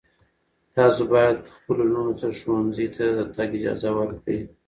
تاسو باید خپلو لوڼو ته ښوونځي ته د تګ اجازه ورکړئ.